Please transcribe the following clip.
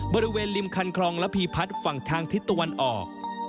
บริเวณริมคันคลองระพีพัฒน์ฝั่งทางทิศตะวันออก